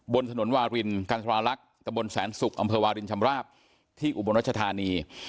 บนถนนวาลินกรรภารักษ์ตะบลแสนสุขอำเภอวาลินชำราบที่อุบัติรัชธานี